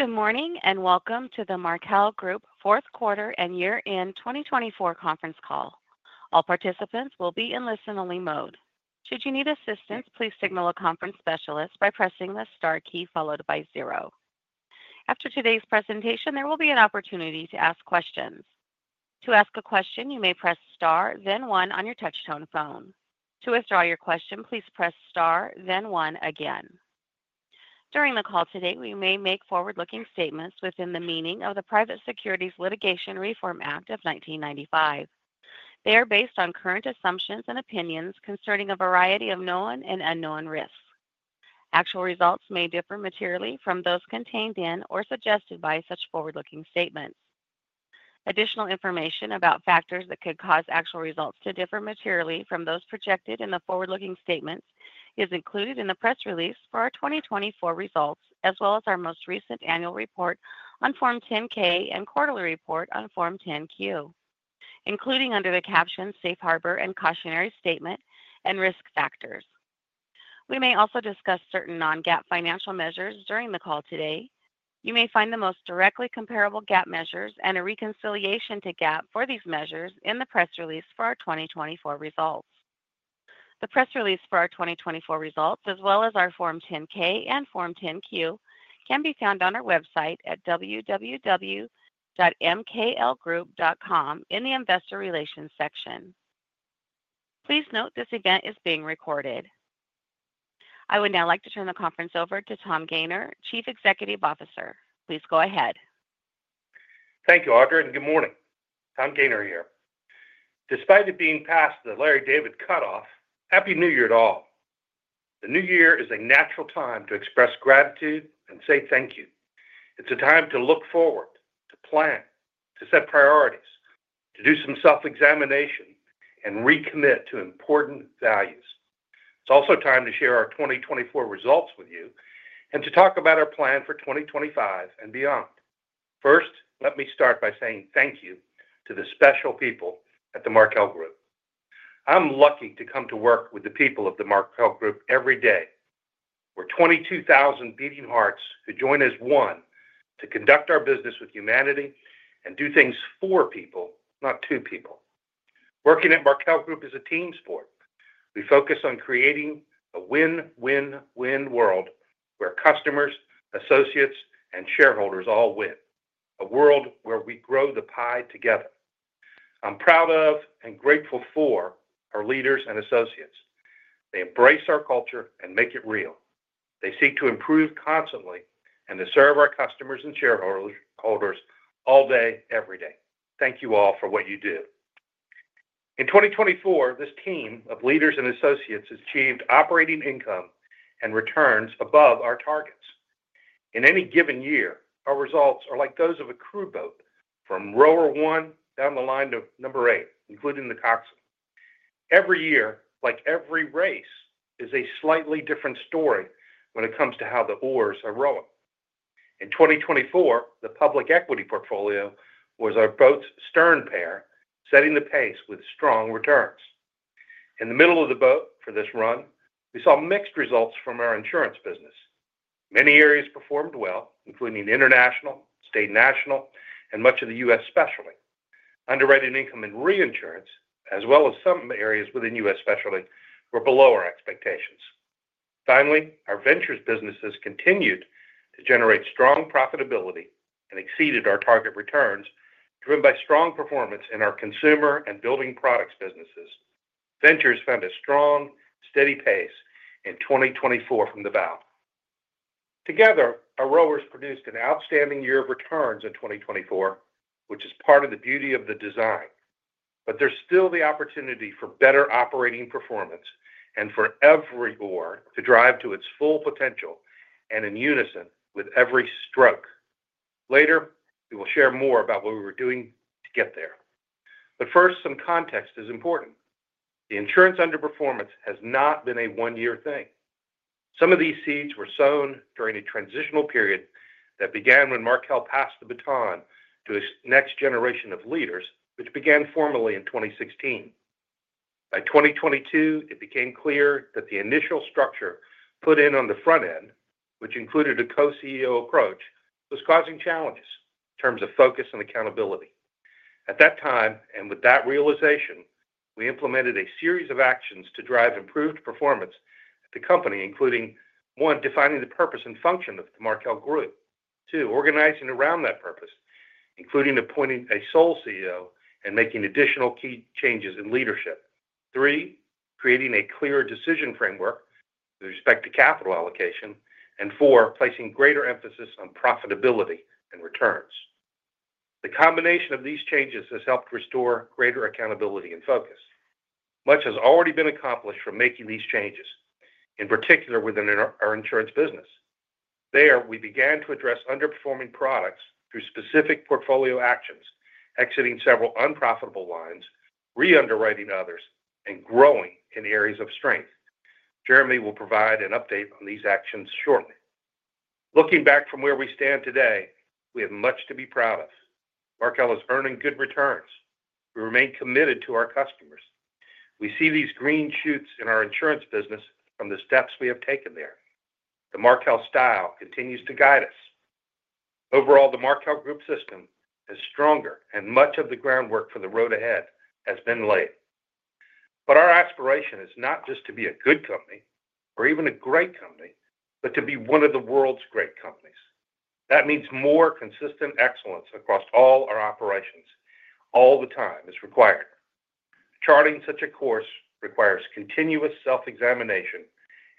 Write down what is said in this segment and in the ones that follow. Good morning and welcome to the Markel Group Fourth Quarter and Year-End 2024 conference call. All participants will be in listen-only mode. Should you need assistance, please signal a conference specialist by pressing the star key followed by zero. After today's presentation, there will be an opportunity to ask questions. To ask a question, you may press star, then one on your touchtone phone. To withdraw your question, please press star, then one again. During the call today, we may make forward-looking statements within the meaning of the Private Securities Litigation Reform Act of 1995. They are based on current assumptions and opinions concerning a variety of known and unknown risks. Actual results may differ materially from those contained in or suggested by such forward-looking statements. Additional information about factors that could cause actual results to differ materially from those projected in the forward-looking statements is included in the press release for our 2024 results, as well as our most recent annual report on Form 10-K and quarterly report on Form 10-Q, including under the caption "Safe Harbor and Cautionary Statement" and "Risk Factors." We may also discuss certain non-GAAP financial measures during the call today. You may find the most directly comparable GAAP measures and a reconciliation to GAAP for these measures in the press release for our 2024 results. The press release for our 2024 results, as well as our Form 10-K and Form 10-Q, can be found on our website at www.mklgroup.com in the Investor Relations section. Please note this event is being recorded. I would now like to turn the conference over to Tom Gayner, Chief Executive Officer. Please go ahead. Thank you, Audra, and good morning. Tom Gayner here. Despite it being past the Larry David cutoff, happy New Year to all. The new year is a natural time to express gratitude and say thank you. It's a time to look forward, to plan, to set priorities, to do some self-examination, and recommit to important values. It's also time to share our 2024 results with you and to talk about our plan for 2025 and beyond. First, let me start by saying thank you to the special people at the Markel Group. I'm lucky to come to work with the people of the Markel Group every day. We're 22,000 beating hearts who join as one to conduct our business with humanity and do things for people, not to people. Working at Markel Group is a team sport. We focus on creating a win-win-win world where customers, associates, and shareholders all win. A world where we grow the pie together. I'm proud of and grateful for our leaders and associates. They embrace our culture and make it real. They seek to improve constantly and to serve our customers and shareholders all day, every day. Thank you all for what you do. In 2024, this team of leaders and associates has achieved operating income and returns above our targets. In any given year, our results are like those of a crew boat from rower one down the line to number eight, including the coxswain. Every year, like every race, is a slightly different story when it comes to how the oars are rowing. In 2024, the public equity portfolio was our boat's stern pair, setting the pace with strong returns. In the middle of the boat for this run, we saw mixed results from our insurance business. Many areas performed well, including international, State National, and much of the U.S. specialty. Underwriting income and reinsurance, as well as some areas within U.S. specialty, were below our expectations. Finally, our Ventures businesses continued to generate strong profitability and exceeded our target returns, driven by strong performance in our consumer and building products businesses. Ventures found a strong, steady pace in 2024 from the bow. Together, our rowers produced an outstanding year of returns in 2024, which is part of the beauty of the design. But there's still the opportunity for better operating performance and for every oar to drive to its full potential and in unison with every stroke. Later, we will share more about what we were doing to get there. But first, some context is important. The insurance underperformance has not been a one-year thing. Some of these seeds were sown during a transitional period that began when Markel passed the baton to a next generation of leaders, which began formally in 2016. By 2022, it became clear that the initial structure put in on the front end, which included a co-CEO approach, was causing challenges in terms of focus and accountability. At that time, and with that realization, we implemented a series of actions to drive improved performance at the company, including: one, defining the purpose and function of the Markel Group, two, organizing around that purpose, including appointing a sole CEO and making additional key changes in leadership, three, creating a clear decision framework with respect to capital allocation, and four, placing greater emphasis on profitability and returns. The combination of these changes has helped restore greater accountability and focus. Much has already been accomplished from making these changes, in particular within our insurance business. There, we began to address underperforming products through specific portfolio actions, exiting several unprofitable lines, re-underwriting others, and growing in areas of strength. Jeremy will provide an update on these actions shortly. Looking back from where we stand today, we have much to be proud of. Markel is earning good returns. We remain committed to our customers. We see these green shoots in our insurance business from the steps we have taken there. The Markel style continues to guide us. Overall, the Markel Group system is stronger, and much of the groundwork for the road ahead has been laid. But our aspiration is not just to be a good company or even a great company, but to be one of the world's great companies. That means more consistent excellence across all our operations all the time is required. Charting such a course requires continuous self-examination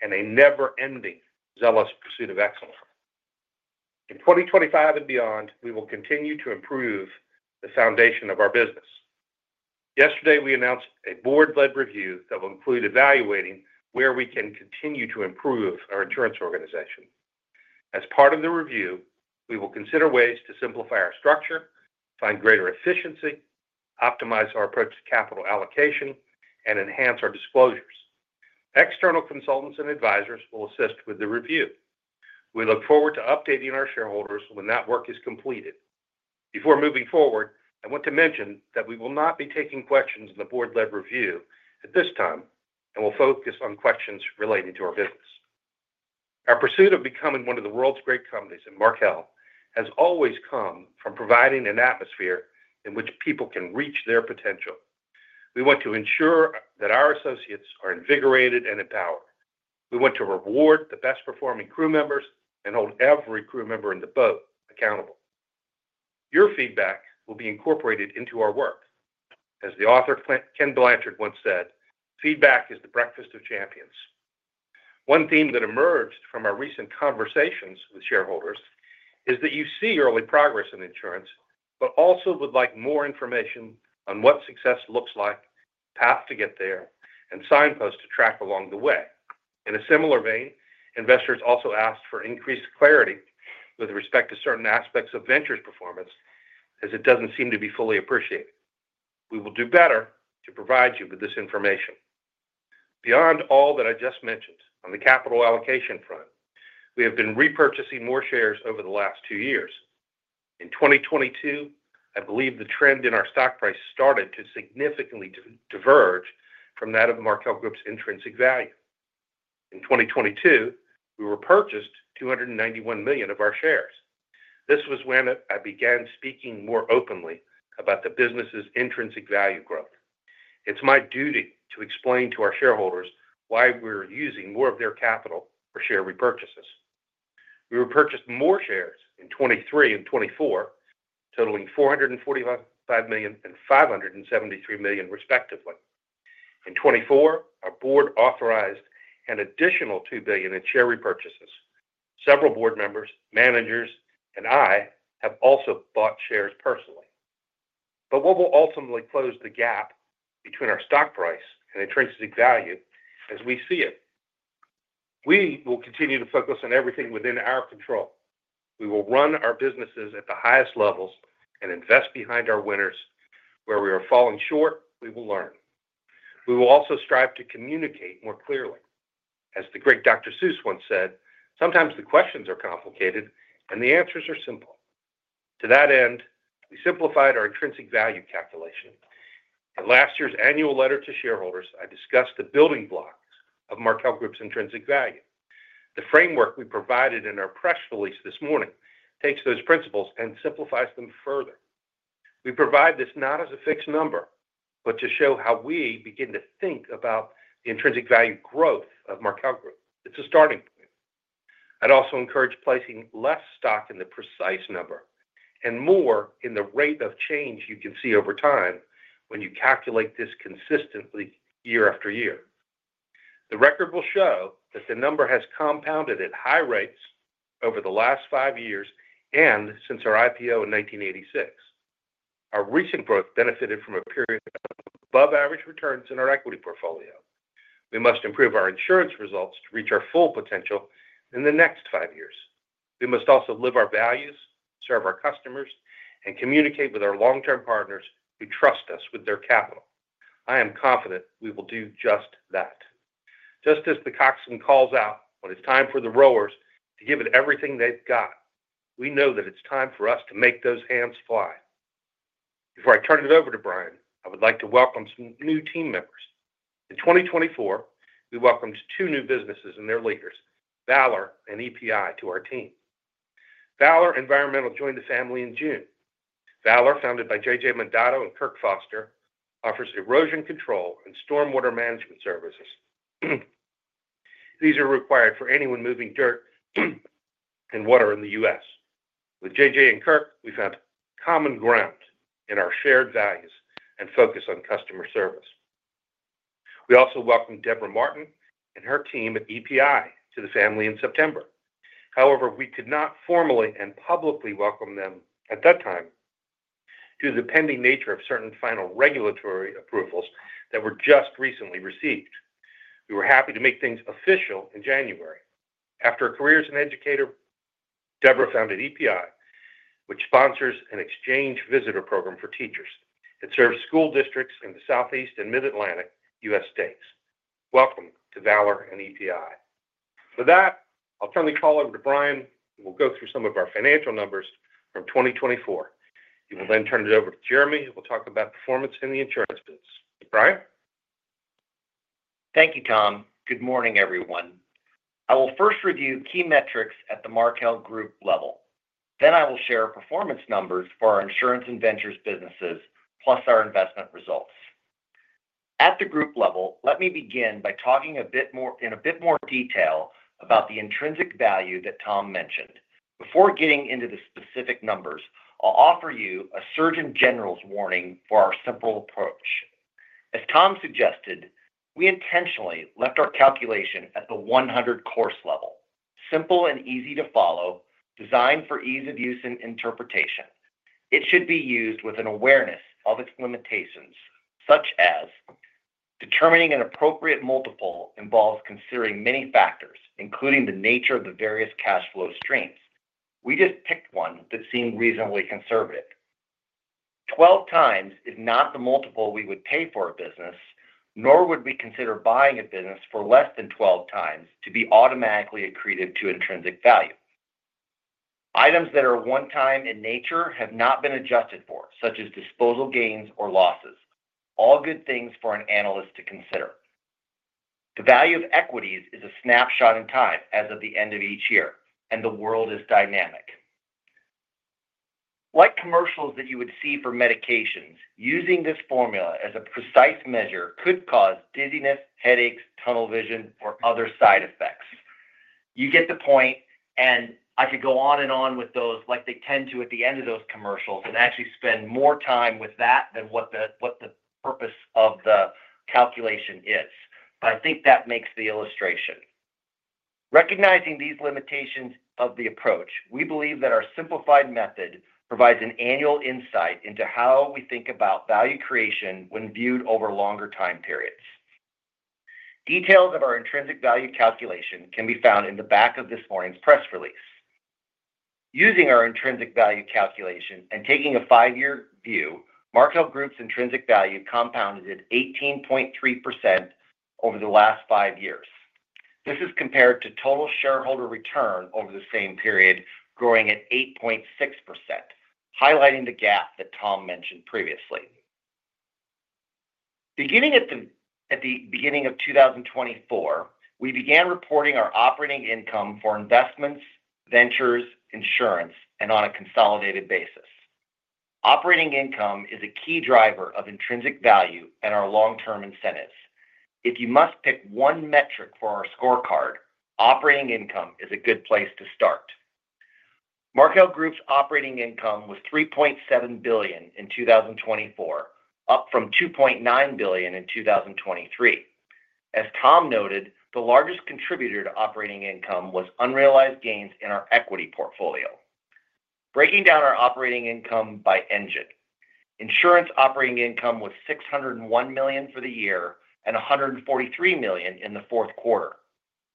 and a never-ending zealous pursuit of excellence. In 2025 and beyond, we will continue to improve the foundation of our business. Yesterday, we announced a board-led review that will include evaluating where we can continue to improve our insurance organization. As part of the review, we will consider ways to simplify our structure, find greater efficiency, optimize our approach to capital allocation, and enhance our disclosures. External consultants and advisors will assist with the review. We look forward to updating our shareholders when that work is completed. Before moving forward, I want to mention that we will not be taking questions in the board-led review at this time and will focus on questions relating to our business. Our pursuit of becoming one of the world's great companies at Markel has always come from providing an atmosphere in which people can reach their potential. We want to ensure that our associates are invigorated and empowered. We want to reward the best-performing crew members and hold every crew member in the boat accountable. Your feedback will be incorporated into our work. As the author, Ken Blanchard, once said, "Feedback is the breakfast of champions." One theme that emerged from our recent conversations with shareholders is that you see early progress in insurance, but also would like more information on what success looks like, path to get there, and signpost to track along the way. In a similar vein, investors also asked for increased clarity with respect to certain aspects of Ventures performance, as it doesn't seem to be fully appreciated. We will do better to provide you with this information. Beyond all that I just mentioned, on the capital allocation front, we have been repurchasing more shares over the last two years. In 2022, I believe the trend in our stock price started to significantly diverge from that of Markel Group's intrinsic value. In 2022, we repurchased $291 million of our shares. This was when I began speaking more openly about the business's intrinsic value growth. It's my duty to explain to our shareholders why we're using more of their capital for share repurchases. We repurchased more shares in 2023 and 2024, totaling $445 million and $573 million, respectively. In 2024, our board authorized an additional $2 billion in share repurchases. Several board members, managers, and I have also bought shares personally. But what will ultimately close the gap between our stock price and intrinsic value as we see it? We will continue to focus on everything within our control. We will run our businesses at the highest levels and invest behind our winners. Where we are falling short, we will learn. We will also strive to communicate more clearly. As the great Dr. Seuss once said, "Sometimes the questions are complicated and the answers are simple." To that end, we simplified our intrinsic value calculation. In last year's annual letter to shareholders, I discussed the building blocks of Markel Group's intrinsic value. The framework we provided in our press release this morning takes those principles and simplifies them further. We provide this not as a fixed number, but to show how we begin to think about the intrinsic value growth of Markel Group. It's a starting point. I'd also encourage placing less stock in the precise number and more in the rate of change you can see over time when you calculate this consistently year after year. The record will show that the number has compounded at high rates over the last five years and since our IPO in 1986. Our recent growth benefited from a period of above-average returns in our equity portfolio. We must improve our insurance results to reach our full potential in the next five years. We must also live our values, serve our customers, and communicate with our long-term partners who trust us with their capital. I am confident we will do just that. Just as the coxswain calls out when it's time for the rowers to give it everything they've got, we know that it's time for us to make those hands fly. Before I turn it over to Brian, I would like to welcome some new team members. In 2024, we welcomed two new businesses and their leaders, Valor and EPI, to our team. Valor Environmental joined the family in June. Valor, founded by J.J. Mandato and Kirk Foster, offers erosion control and stormwater management services. These are required for anyone moving dirt and water in the U.S. With J.J. and Kirk, we found common ground in our shared values and focus on customer service. We also welcomed Debra Martin and her team at EPI to the family in September. However, we could not formally and publicly welcome them at that time due to the pending nature of certain final regulatory approvals that were just recently received. We were happy to make things official in January. After a career as an educator, Deborah founded EPI, which sponsors an exchange visitor program for teachers. It serves school districts in the Southeast and Mid-Atlantic U.S. states. Welcome to Valor and EPI. With that, I'll turn the call over to Brian, and we'll go through some of our financial numbers from 2024. He will then turn it over to Jeremy, who will talk about performance in the insurance business. Brian? Thank you, Tom. Good morning, everyone. I will first review key metrics at the Markel Group level. Then I will share performance numbers for our insurance and ventures businesses, plus our investment results. At the group level, let me begin by talking in a bit more detail about the intrinsic value that Tom mentioned. Before getting into the specific numbers, I'll offer you a Surgeon General's warning for our simple approach. As Tom suggested, we intentionally left our calculation at the coarse level. Simple and easy to follow, designed for ease of use and interpretation. It should be used with an awareness of its limitations, such as determining an appropriate multiple involves considering many factors, including the nature of the various cash flow streams. We just picked one that seemed reasonably conservative. 12 times is not the multiple we would pay for a business, nor would we consider buying a business for less than 12 times to be automatically accreted to intrinsic value. Items that are one-time in nature have not been adjusted for, such as disposal gains or losses. All good things for an analyst to consider. The value of equities is a snapshot in time as of the end of each year, and the world is dynamic. Like commercials that you would see for medications, using this formula as a precise measure could cause dizziness, headaches, tunnel vision, or other side effects. You get the point, and I could go on and on with those like they tend to at the end of those commercials and actually spend more time with that than what the purpose of the calculation is. But I think that makes the illustration. Recognizing these limitations of the approach, we believe that our simplified method provides an annual insight into how we think about value creation when viewed over longer time periods. Details of our intrinsic value calculation can be found in the back of this morning's press release. Using our intrinsic value calculation and taking a five-year view, Markel Group's intrinsic value compounded at 18.3% over the last five years. This is compared to total shareholder return over the same period, growing at 8.6%, highlighting the gap that Tom mentioned previously. Beginning at the beginning of 2024, we began reporting our operating income for investments, ventures, insurance, and on a consolidated basis. Operating income is a key driver of intrinsic value and our long-term incentives. If you must pick one metric for our scorecard, operating income is a good place to start. Markel Group's operating income was $3.7 billion in 2024, up from $2.9 billion in 2023. As Tom noted, the largest contributor to operating income was unrealized gains in our equity portfolio. Breaking down our operating income by engine, insurance operating income was $601 million for the year and $143 million in the fourth quarter.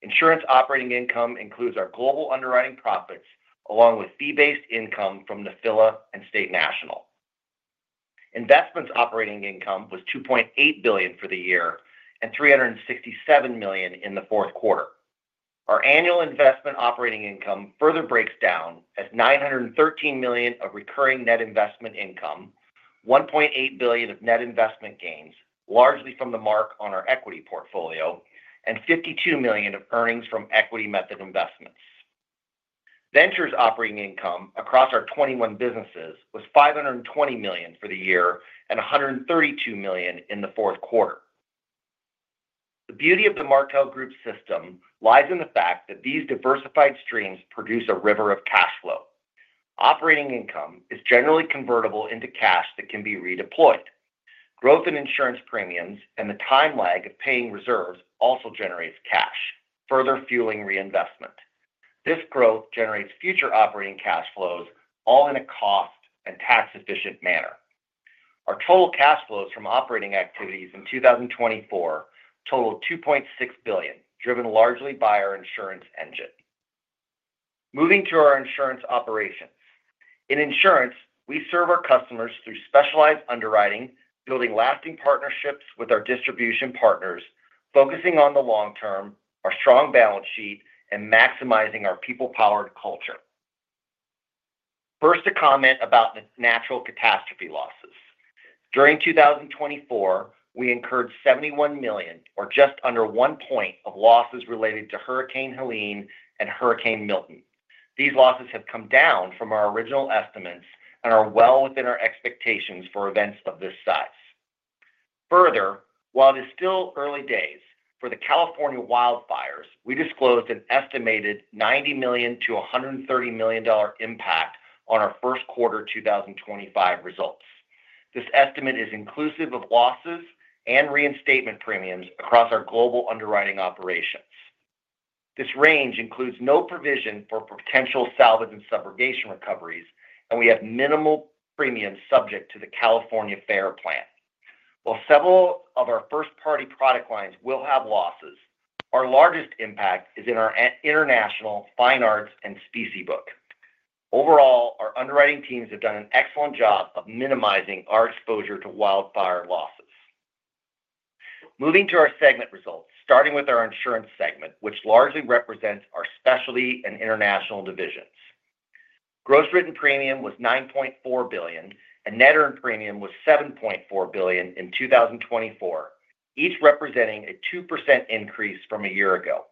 Insurance operating income includes our global underwriting profits along with fee-based income from Nephila and State National. Investments operating income was $2.8 billion for the year and $367 million in the fourth quarter. Our annual investment operating income further breaks down as $913 million of recurring net investment income, $1.8 billion of net investment gains, largely from the mark on our equity portfolio, and $52 million of earnings from equity method investments. Ventures operating income across our 21 businesses was $520 million for the year and $132 million in the fourth quarter. The beauty of the Markel Group system lies in the fact that these diversified streams produce a river of cash flow. Operating income is generally convertible into cash that can be redeployed. Growth in insurance premiums and the time lag of paying reserves also generates cash, further fueling reinvestment. This growth generates future operating cash flows, all in a cost and tax-efficient manner. Our total cash flows from operating activities in 2024 totaled $2.6 billion, driven largely by our insurance engine. Moving to our insurance operations. In insurance, we serve our customers through specialized underwriting, building lasting partnerships with our distribution partners, focusing on the long term, our strong balance sheet, and maximizing our people-powered culture. First, a comment about natural catastrophe losses. During 2024, we incurred $71 million, or just under one point, of losses related to Hurricane Helene and Hurricane Milton. These losses have come down from our original estimates and are well within our expectations for events of this size. Further, while it is still early days for the California wildfires, we disclosed an estimated $90 million-$130 million dollar impact on our first quarter 2025 results. This estimate is inclusive of losses and reinstatement premiums across our global underwriting operations. This range includes no provision for potential salvage and subrogation recoveries, and we have minimal premiums subject to the California FAIR Plan. While several of our first-party product lines will have losses, our largest impact is in our international fine arts and specie book. Overall, our underwriting teams have done an excellent job of minimizing our exposure to wildfire losses. Moving to our segment results, starting with our insurance segment, which largely represents our specialty and international divisions. gross written premium was $9.4 billion, and net earned premium was $7.4 billion in 2024, each representing a 2% increase from a year ago.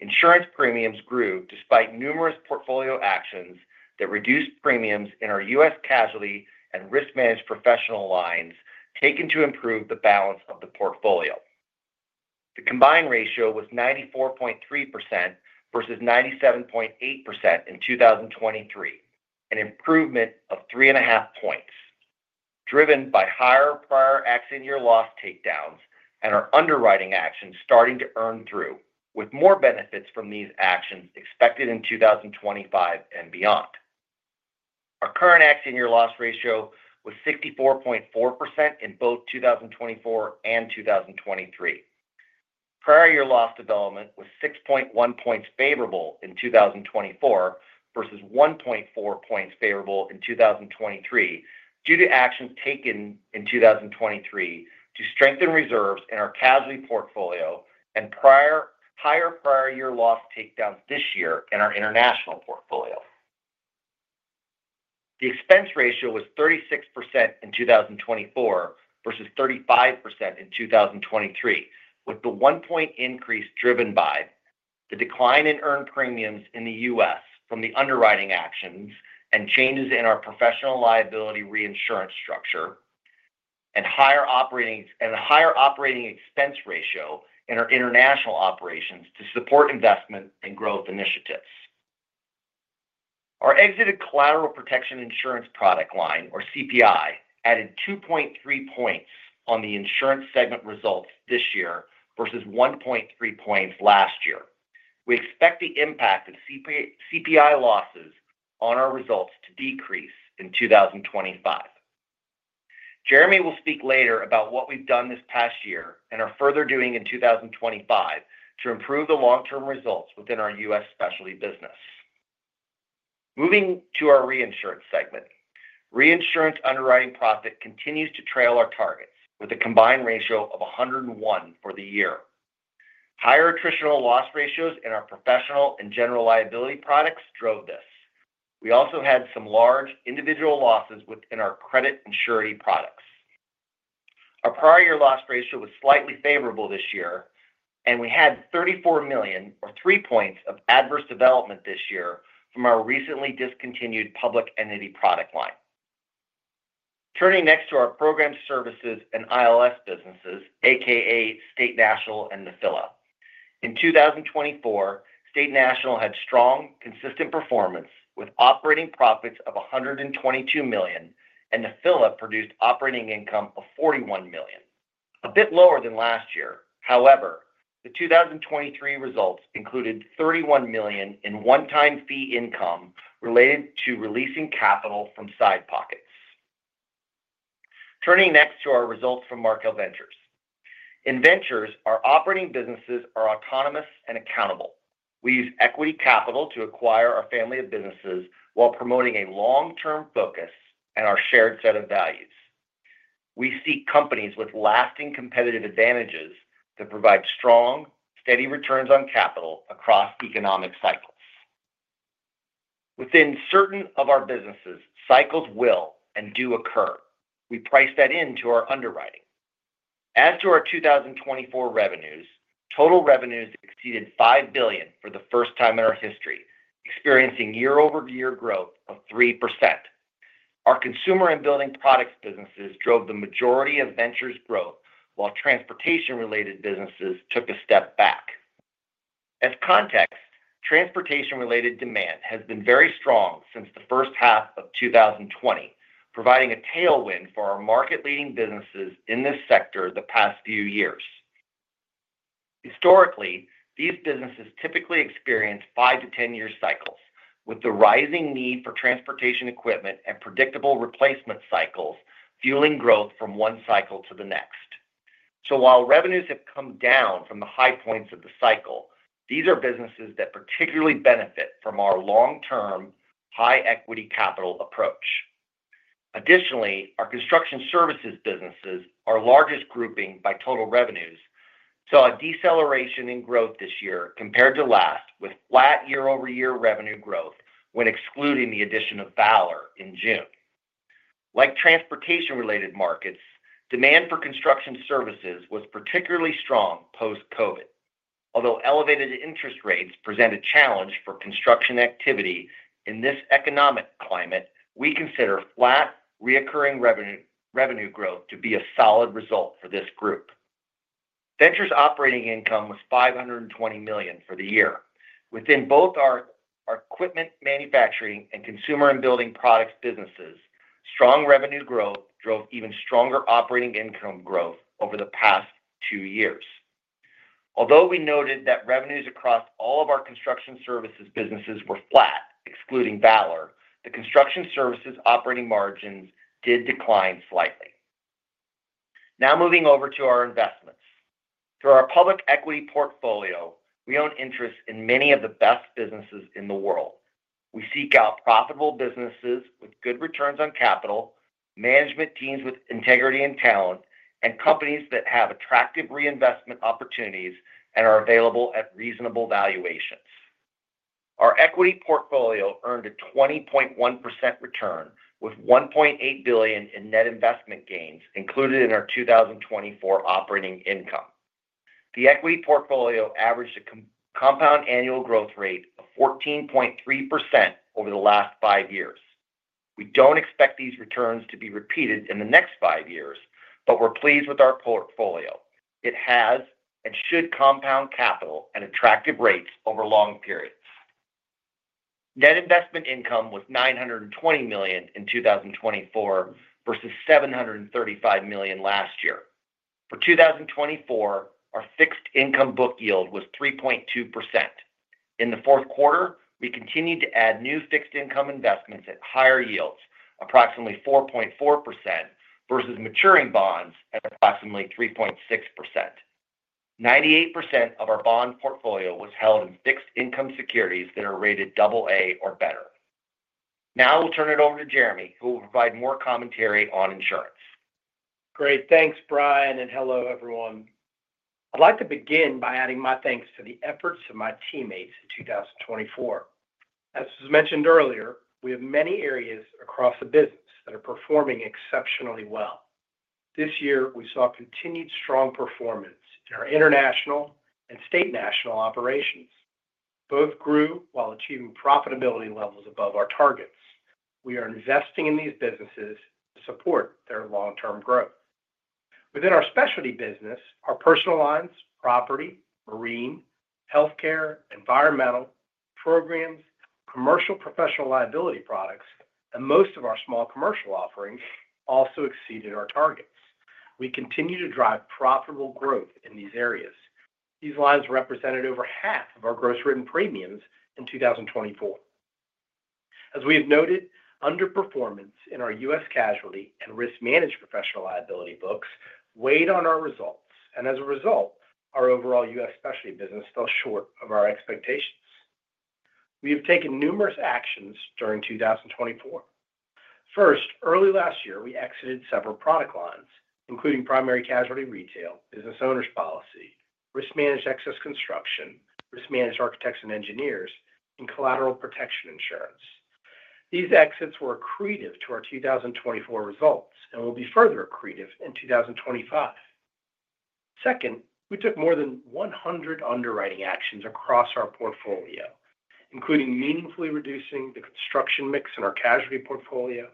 Insurance premiums grew despite numerous portfolio actions that reduced premiums in our U.S. casualty and risk-managed professional lines taken to improve the balance of the portfolio. The combined ratio was 94.3% versus 97.8% in 2023, an improvement of three and a half points, driven by higher prior accident-year loss takedowns and our underwriting actions starting to earn through, with more benefits from these actions expected in 2025 and beyond. Our current accident-year loss ratio was 64.4% in both 2024 and 2023. Prior year loss development was 6.1 points favorable in 2024 versus 1.4 points favorable in 2023 due to actions taken in 2023 to strengthen reserves in our casualty portfolio and higher prior year loss takedowns this year in our international portfolio. The expense ratio was 36% in 2024 versus 35% in 2023, with the one-point increase driven by the decline in earned premiums in the U.S. from the underwriting actions and changes in our professional liability reinsurance structure and higher operating expense ratio in our international operations to support investment and growth initiatives. Our exited collateral protection insurance product line, or CPI, added 2.3 points on the insurance segment results this year versus 1.3 points last year. We expect the impact of CPI losses on our results to decrease in 2025. Jeremy will speak later about what we've done this past year and are further doing in 2025 to improve the long-term results within our U.S. specialty business. Moving to our reinsurance segment, reinsurance underwriting profit continues to trail our targets with a combined ratio of 101 for the year. Higher attritional loss ratios in our professional and general liability products drove this. We also had some large individual losses within our credit insurance products. Our prior year loss ratio was slightly favorable this year, and we had $34 million, or three points, of adverse development this year from our recently discontinued public entity product line. Turning next to our program services and ILS businesses, a.k.a. State National and Nephila. In 2024, State National had strong, consistent performance with operating profits of $122 million, and Nephila produced operating income of $41 million, a bit lower than last year. However, the 2023 results included $31 million in one-time fee income related to releasing capital from side pockets. Turning next to our results from Markel Ventures. In Ventures, our operating businesses are autonomous and accountable. We use equity capital to acquire our family of businesses while promoting a long-term focus and our shared set of values. We seek companies with lasting competitive advantages that provide strong, steady returns on capital across economic cycles. Within certain of our businesses, cycles will and do occur. We price that into our underwriting. As to our 2024 revenues, total revenues exceeded $5 billion for the first time in our history, experiencing year-over-year growth of 3%. Our consumer and building products businesses drove the majority of Ventures' growth, while transportation-related businesses took a step back. As context, transportation-related demand has been very strong since the first half of 2020, providing a tailwind for our market-leading businesses in this sector the past few years. Historically, these businesses typically experienced 5- to 10-year cycles, with the rising need for transportation equipment and predictable replacement cycles fueling growth from one cycle to the next. So while revenues have come down from the high points of the cycle, these are businesses that particularly benefit from our long-term, high-equity capital approach. Additionally, our construction services businesses are largest grouping by total revenues, saw a deceleration in growth this year compared to last, with flat year-over-year revenue growth when excluding the addition of Valor in June. Like transportation-related markets, demand for construction services was particularly strong post-COVID. Although elevated interest rates present a challenge for construction activity in this economic climate, we consider flat, recurring revenue growth to be a solid result for this group. Ventures' operating income was $520 million for the year. Within both our equipment manufacturing and consumer and building products businesses, strong revenue growth drove even stronger operating income growth over the past two years. Although we noted that revenues across all of our construction services businesses were flat, excluding Valor, the construction services operating margins did decline slightly. Now moving over to our investments. Through our public equity portfolio, we own interests in many of the best businesses in the world. We seek out profitable businesses with good returns on capital, management teams with integrity and talent, and companies that have attractive reinvestment opportunities and are available at reasonable valuations. Our equity portfolio earned a 20.1% return, with $1.8 billion in net investment gains included in our 2024 operating income. The equity portfolio averaged a compound annual growth rate of 14.3% over the last five years. We don't expect these returns to be repeated in the next five years, but we're pleased with our portfolio. It has and should compound capital at attractive rates over long periods. Net investment income was $920 million in 2024 versus $735 million last year. For 2024, our fixed income book yield was 3.2%. In the fourth quarter, we continued to add new fixed income investments at higher yields, approximately 4.4%, versus maturing bonds at approximately 3.6%. 98% of our bond portfolio was held in fixed income securities that are rated AA or better. Now we'll turn it over to Jeremy, who will provide more commentary on insurance. Great. Thanks, Brian, and hello, everyone. I'd like to begin by adding my thanks to the efforts of my teammates in 2024. As was mentioned earlier, we have many areas across the business that are performing exceptionally well. This year, we saw continued strong performance in our international and State National operations. Both grew while achieving profitability levels above our targets. We are investing in these businesses to support their long-term growth. Within our specialty business, our personal lines, property, marine, healthcare, environmental programs, commercial professional liability products, and most of our small commercial offerings also exceeded our targets. We continue to drive profitable growth in these areas. These lines represented over half of our gross written premiums in 2024. As we have noted, underperformance in our U.S. casualty and risk-managed professional liability books weighed on our results, and as a result, our overall U.S. specialty business fell short of our expectations. We have taken numerous actions during 2024. First, early last year, we exited several product lines, including primary casualty retail, business owners' policy, risk-managed excess construction, risk-managed architects and engineers, and collateral protection insurance. These exits were accretive to our 2024 results and will be further accretive in 2025. Second, we took more than 100 underwriting actions across our portfolio, including meaningfully reducing the construction mix in our casualty portfolio,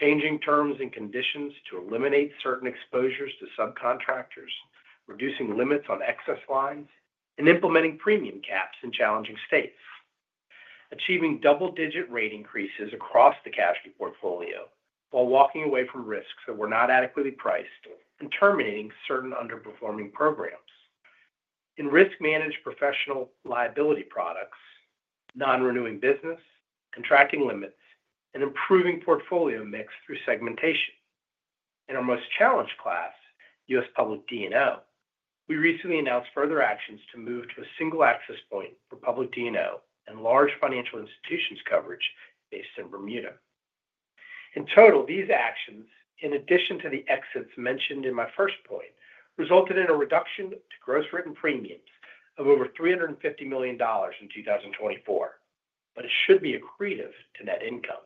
changing terms and conditions to eliminate certain exposures to subcontractors, reducing limits on excess lines, and implementing premium caps in challenging states, achieving double-digit rate increases across the casualty portfolio while walking away from risks that were not adequately priced and terminating certain underperforming programs. In risk-managed professional liability products, non-renewing business, contracting limits, and improving portfolio mix through segmentation. In our most challenged class, U.S. public D&O, we recently announced further actions to move to a single access point for public D&O and large financial institutions coverage based in Bermuda. In total, these actions, in addition to the exits mentioned in my first point, resulted in a reduction to gross written premiums of over $350 million in 2024, but it should be accretive to net income.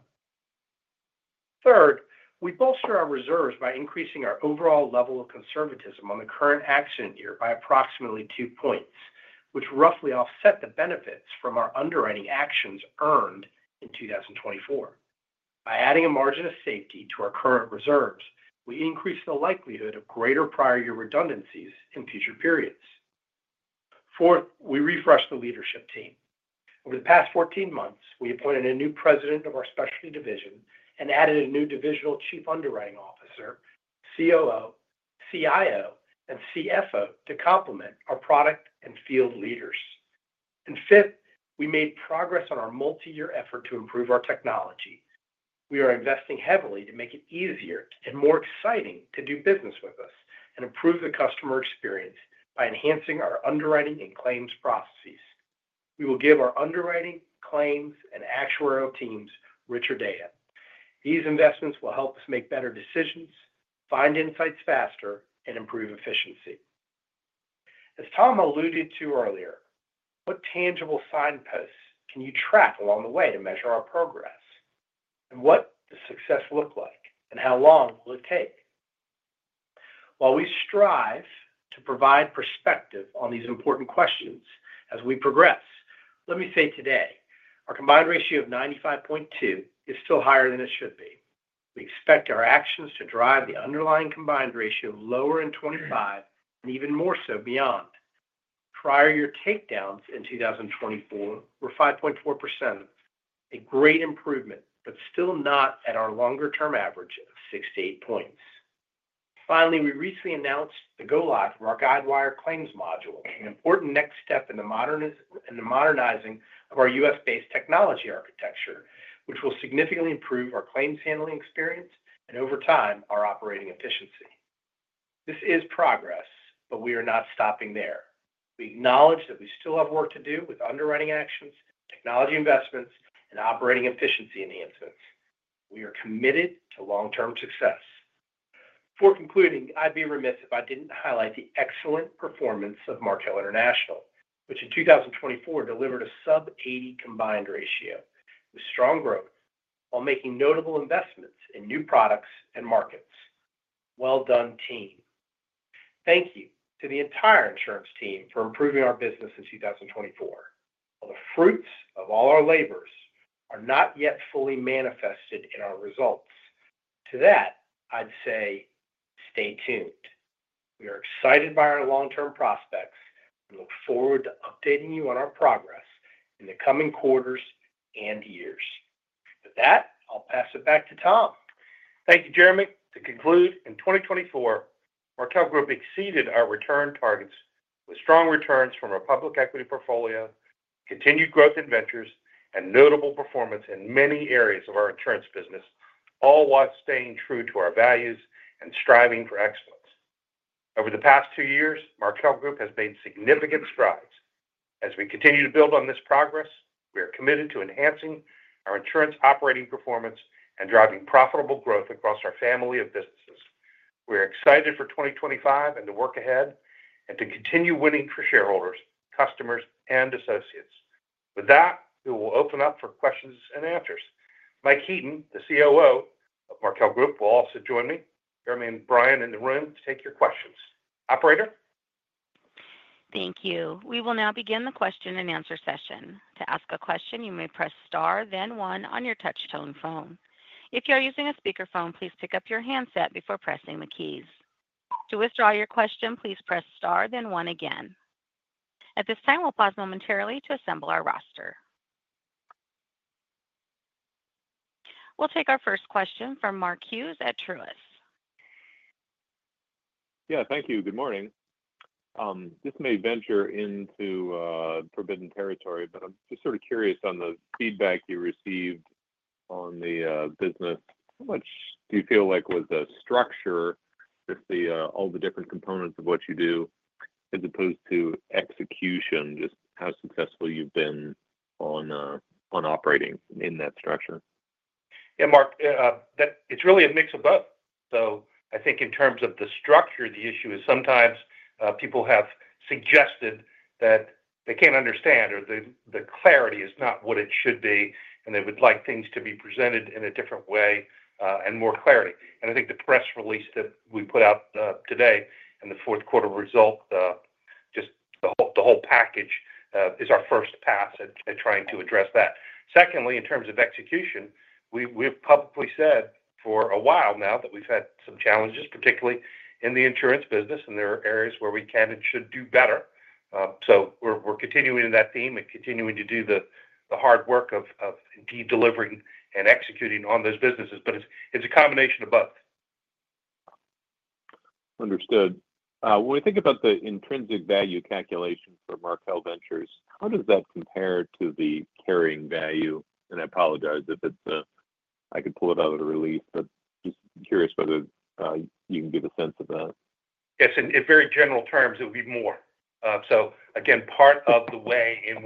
Third, we bolster our reserves by increasing our overall level of conservatism on the current accident year by approximately two points, which roughly offsets the benefits from our underwriting actions earned in 2024. By adding a margin of safety to our current reserves, we increase the likelihood of greater prior year redundancies in future periods. Fourth, we refreshed the leadership team. Over the past 14 months, we appointed a new president of our specialty division and added a new divisional chief underwriting officer, COO, CIO, and CFO to complement our product and field leaders. And fifth, we made progress on our multi-year effort to improve our technology. We are investing heavily to make it easier and more exciting to do business with us and improve the customer experience by enhancing our underwriting and claims processes. We will give our underwriting, claims, and actuarial teams richer data. These investments will help us make better decisions, find insights faster, and improve efficiency. As Tom alluded to earlier, what tangible signposts can you track along the way to measure our progress? And what does success look like, and how long will it take? While we strive to provide perspective on these important questions as we progress, let me say today, our combined ratio of 95.2% is still higher than it should be. We expect our actions to drive the underlying combined ratio lower in 2025 and even more so beyond. Prior year takedowns in 2024 were 5.4%, a great improvement, but still not at our longer-term average of 68 points. Finally, we recently announced the go-live of our Guidewire Claims Module, an important next step in the modernizing of our U.S.-based technology architecture, which will significantly improve our claims handling experience and, over time, our operating efficiency. This is progress, but we are not stopping there. We acknowledge that we still have work to do with underwriting actions, technology investments, and operating efficiency enhancements. We are committed to long-term success. Before concluding, I'd be remiss if I didn't highlight the excellent performance of Markel International, which in 2024 delivered a sub-80 combined ratio with strong growth while making notable investments in new products and markets. Well done, team. Thank you to the entire insurance team for improving our business in 2024. While the fruits of all our labors are not yet fully manifested in our results, to that, I'd say, stay tuned. We are excited by our long-term prospects and look forward to updating you on our progress in the coming quarters and years. With that, I'll pass it back to Tom. Thank you, Jeremy. To conclude, in 2024, Markel Group exceeded our return targets with strong returns from our public equity portfolio, continued growth in Ventures, and notable performance in many areas of our insurance business, all while staying true to our values and striving for excellence. Over the past two years, Markel Group has made significant strides. As we continue to build on this progress, we are committed to enhancing our insurance operating performance and driving profitable growth across our family of businesses. We are excited for 2025 and to work ahead and to continue winning for shareholders, customers, and associates. With that, we will open up for questions and answers. Mike Heaton, the COO of Markel Group, will also join me. Jeremy and Brian in the room to take your questions. Operator? Thank you. We will now begin the question and answer session. To ask a question, you may press star, then one, on your touch-tone phone. If you are using a speakerphone, please pick up your handset before pressing the keys. To withdraw your question, please press star, then one again. At this time, we'll pause momentarily to assemble our roster. We'll take our first question from Mark Hughes at Truist. Yeah, thank you. Good morning. This may venture into forbidden territory, but I'm just sort of curious on the feedback you received on the business. How much do you feel like was the structure, just all the different components of what you do, as opposed to execution, just how successful you've been on operating in that structure? Yeah, Mark, it's really a mix of both. So I think in terms of the structure, the issue is sometimes people have suggested that they can't understand or the clarity is not what it should be, and they would like things to be presented in a different way and more clarity. And I think the press release that we put out today and the fourth quarter result, just the whole package, is our first pass at trying to address that. Secondly, in terms of execution, we've publicly said for a while now that we've had some challenges, particularly in the insurance business, and there are areas where we can and should do better. So we're continuing in that theme and continuing to do the hard work of delivering and executing on those businesses, but it's a combination of both. Understood. When we think about the intrinsic value calculation for Markel Ventures, how does that compare to the carrying value? And I apologize if I could pull it out of the release, but just curious whether you can give a sense of that. Yes. In very general terms, it would be more. So again, part of the way in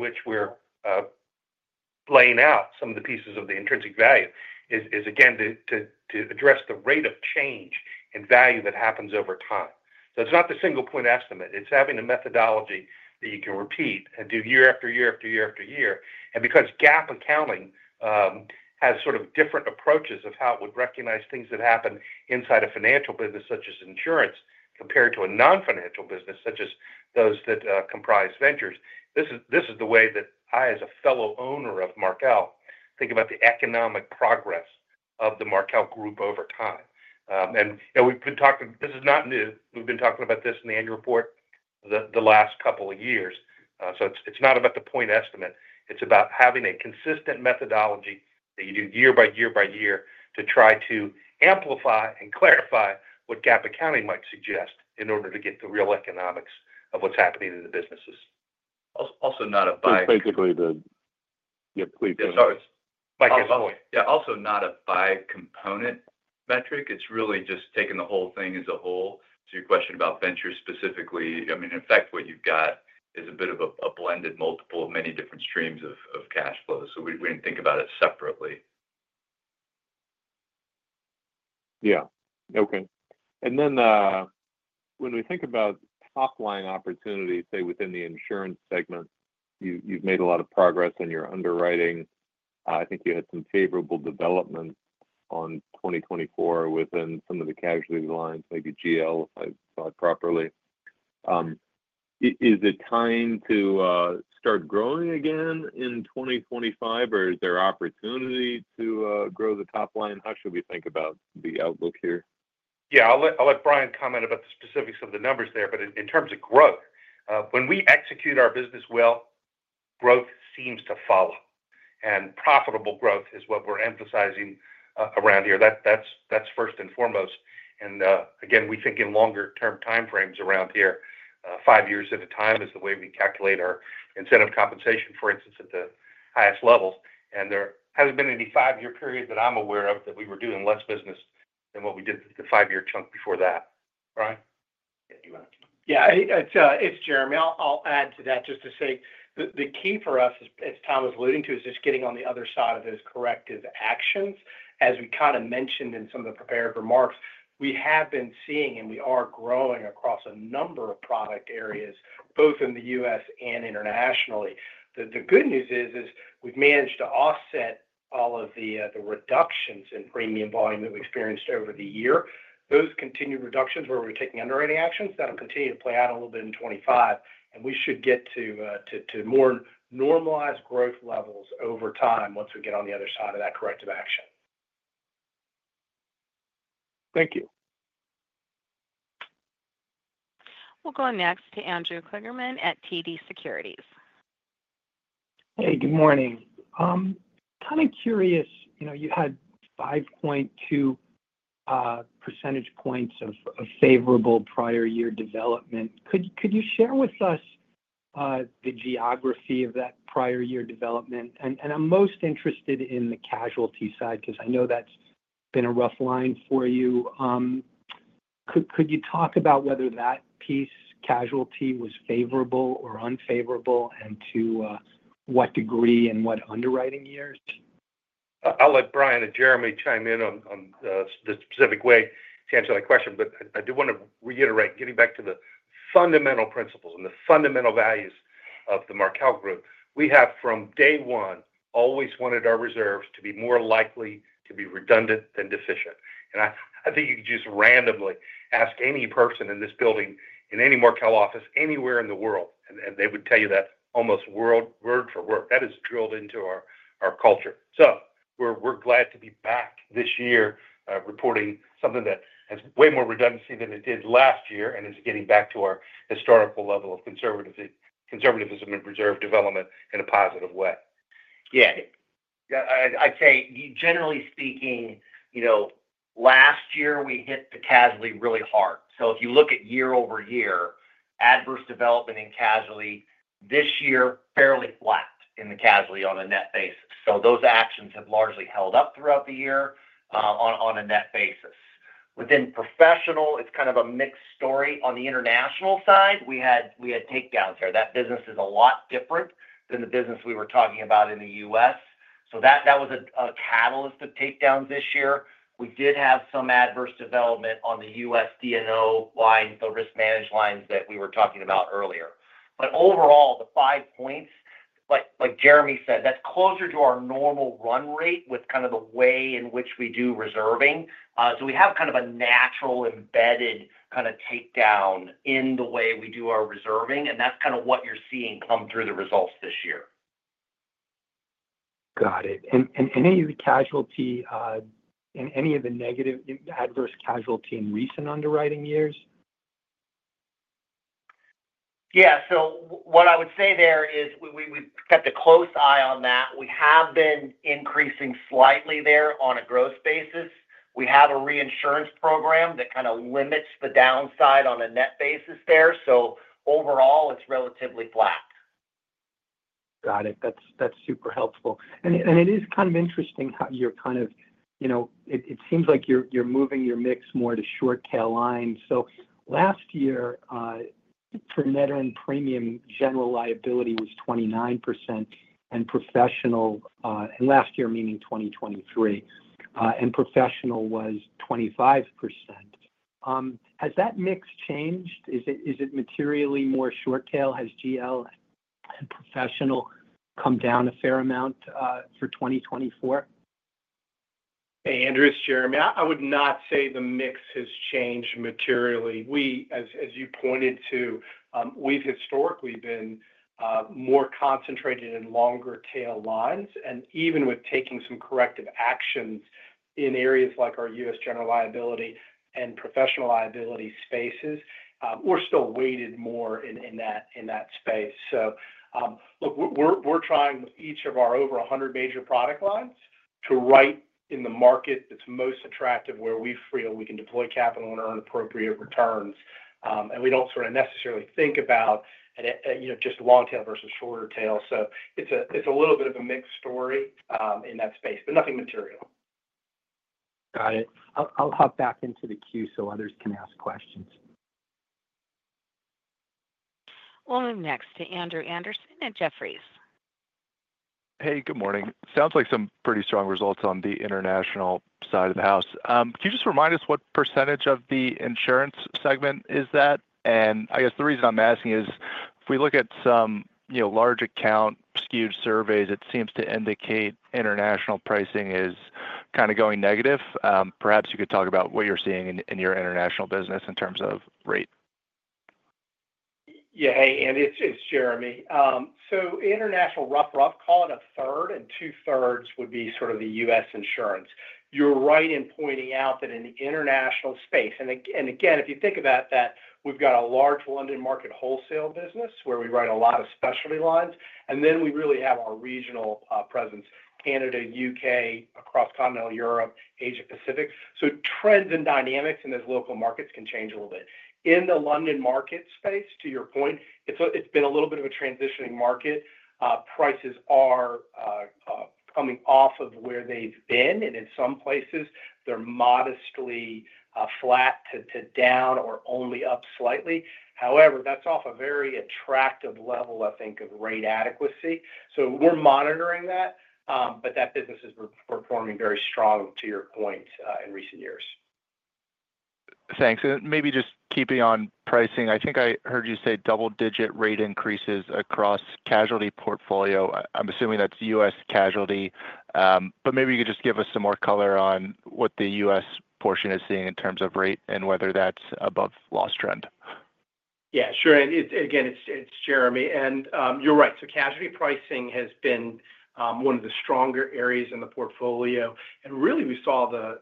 which we're laying out some of the pieces of the intrinsic value is, again, to address the rate of change and value that happens over time. So it's not the single-point estimate. It's having a methodology that you can repeat and do year after year after year after year. And because GAAP accounting has sort of different approaches of how it would recognize things that happen inside a financial business such as insurance compared to a non-financial business such as those that comprise Ventures, this is the way that I, as a fellow owner of Markel, think about the economic progress of the Markel Group over time. And we've been talking, this is not new. We've been talking about this in the annual report the last couple of years. So it's not about the point estimate. It's about having a consistent methodology that you do year by year by year to try to amplify and clarify what GAAP accounting might suggest in order to get the real economics of what's happening in the businesses. Also not a bi-component metric. It's really just taking the whole thing as a whole. So your question about Ventures specifically, I mean, in fact, what you've got is a bit of a blended multiple of many different streams of cash flow. So we didn't think about it separately. Yeah. Okay. And then when we think about top-line opportunity, say, within the insurance segment, you've made a lot of progress in your underwriting. I think you had some favorable developments on 2024 within some of the casualty lines, maybe GL, if I thought properly. Is it time to start growing again in 2025, or is there opportunity to grow the top line? How should we think about the outlook here? Yeah, I'll let Brian comment about the specifics of the numbers there. But in terms of growth, when we execute our business well, growth seems to follow. And profitable growth is what we're emphasizing around here. That's first and foremost. And again, we think in longer-term time frames around here, five years at a time is the way we calculate our incentive compensation, for instance, at the highest levels. And there hasn't been any five-year period that I'm aware of that we were doing less business than what we did the five-year chunk before that. All right? Yeah, it's Jeremy. I'll add to that just to say the key for us, as Tom was alluding to, is just getting on the other side of those corrective actions. As we kind of mentioned in some of the prepared remarks, we have been seeing, and we are growing across a number of product areas, both in the U.S. and internationally. The good news is we've managed to offset all of the reductions in premium volume that we experienced over the year. Those continued reductions where we're taking underwriting actions, that'll continue to play out a little bit in 2025, and we should get to more normalized growth levels over time once we get on the other side of that corrective action. Thank you. We'll go next to Andrew Kligerman at TD Securities. Hey, good morning. Kind of curious, you had 5.2 percentage points of favorable prior year development. Could you share with us the geography of that prior year development? And I'm most interested in the casualty side because I know that's been a rough line for you. Could you talk about whether that piece, casualty, was favorable or unfavorable and to what degree and what underwriting years? I'll let Brian and Jeremy chime in on the specific way to answer that question, but I do want to reiterate, getting back to the fundamental principles and the fundamental values of the Markel Group, we have from day one always wanted our reserves to be more likely to be redundant than deficient. And I think you could just randomly ask any person in this building, in any Markel office, anywhere in the world, and they would tell you that almost word for word. That is drilled into our culture. So we're glad to be back this year reporting something that has way more redundancy than it did last year and is getting back to our historical level of conservatism and reserve development in a positive way. Yeah. Yeah, I'd say, generally speaking, last year we hit the casualty really hard. So if you look at year over year, adverse development in casualty, this year fairly flat in the casualty on a net basis. So those actions have largely held up throughout the year on a net basis. Within professional, it's kind of a mixed story. On the international side, we had takedowns there. That business is a lot different than the business we were talking about in the U.S. So that was a catalyst of takedowns this year. We did have some adverse development on the U.S. D&O line, the risk management lines that we were talking about earlier. But overall, the five points, like Jeremy said, that's closer to our normal run rate with kind of the way in which we do reserving. So we have kind of a natural embedded kind of takedown in the way we do our reserving, and that's kind of what you're seeing come through the results this year. Got it. And any of the casualty, any of the negative adverse casualty in recent underwriting years? Yeah. So what I would say there is we've kept a close eye on that. We have been increasing slightly there on a growth basis. We have a reinsurance program that kind of limits the downside on a net basis there. So overall, it's relatively flat. Got it. That's super helpful. And it is kind of interesting how you're kind of it seems like you're moving your mix more to short-tail lines. So last year, for Net Earned Premium, general liability was 29%, and professional, and last year, meaning 2023, and professional was 25%. Has that mix changed? Is it materially more short-tail? Has GL and professional come down a fair amount for 2024? Hey, Andrew, it's Jeremy. I would not say the mix has changed materially. As you pointed to, we've historically been more concentrated in longer-tail lines. And even with taking some corrective actions in areas like our U.S. general liability and professional liability spaces, we're still weighted more in that space. So look, we're trying with each of our over 100 major product lines to write in the market that's most attractive where we feel we can deploy capital and earn appropriate returns. And we don't sort of necessarily think about just long-tail versus shorter-tail. So it's a little bit of a mixed story in that space, but nothing material. Got it. I'll hop back into the queue so others can ask questions. We'll move next to Andrew Andersen at Jefferies. Hey, good morning. Sounds like some pretty strong results on the international side of the house. Can you just remind us what percentage of the insurance segment is that? And I guess the reason I'm asking is if we look at some large account SKU surveys, it seems to indicate international pricing is kind of going negative. Perhaps you could talk about what you're seeing in your international business in terms of rate. Yeah. Hey, Andy. It's Jeremy. So international, rough, call it a third, and two-thirds would be sort of the U.S. insurance. You're right in pointing out that in the international space. And again, if you think about that, we've got a large London market wholesale business where we write a lot of specialty lines, and then we really have our regional presence: Canada, UK, across continental Europe, Asia-Pacific. So trends and dynamics in those local markets can change a little bit. In the London market space, to your point, it's been a little bit of a transitioning market. Prices are coming off of where they've been, and in some places, they're modestly flat to down or only up slightly. However, that's off a very attractive level, I think, of rate adequacy. So we're monitoring that, but that business is performing very strong, to your point, in recent years. Thanks. And maybe just keeping on pricing, I think I heard you say double-digit rate increases across casualty portfolio. I'm assuming that's U.S. casualty, but maybe you could just give us some more color on what the U.S. portion is seeing in terms of rate and whether that's above loss trend. Yeah. Sure. And again, it's Jeremy. And you're right. Casualty pricing has been one of the stronger areas in the portfolio. Really, we saw the